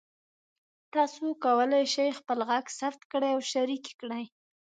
تاسو کولی شئ خپل غږ ثبت کړئ او شریک کړئ.